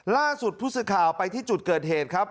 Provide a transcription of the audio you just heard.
ล่าสุดพุธศึกาวไปที่จุดเกิดเหตุครับ